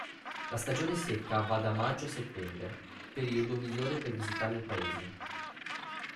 La stagione secca va da maggio a settembre, periodo migliore per visitare il paese.